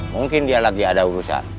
mungkin dia lagi ada urusan